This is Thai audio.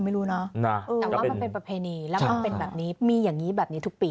ไม่รู้เนอะแต่ว่ามันเป็นประเพณีแล้วมันเป็นแบบนี้มีอย่างนี้แบบนี้ทุกปี